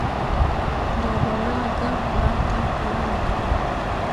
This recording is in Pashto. د بورا ږغ باغ ته ښکلا ورکوي.